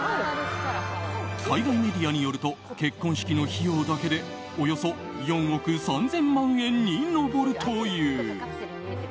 海外メディアによると結婚式の費用だけでおよそ４億３０００万円に上るという。